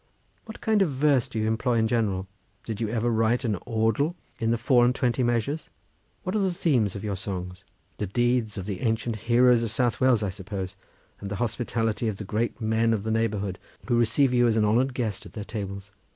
What kind of verse do you employ in general? Did you ever write an awdl in the four and twenty measures? What are the themes of your songs? The deeds of the ancient heroes of South Wales, I suppose, and the hospitality of the great men of the neighbourhood who receive you as an honoured guest at their tables.